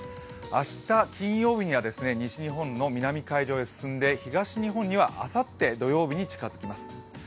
明日、金曜日には西日本の南海上へ進んで東日本にはあさって土曜日に近づきます。